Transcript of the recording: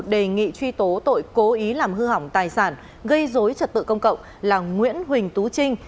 đề nghị truy tố tội cố ý làm hư hỏng tài sản gây dối trật tự công cộng là nguyễn huỳnh tú trinh